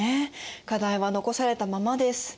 課題は残されたままです。